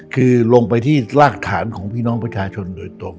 คือลงไปที่รากฐานของพี่น้องประชาชนโดยตรง